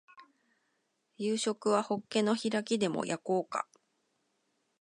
夕食はホッケの開きでも焼こうか